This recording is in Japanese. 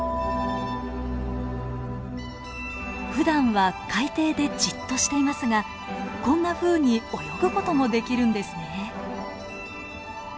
ふだんは海底でじっとしていますがこんなふうに泳ぐ事もできるんですね。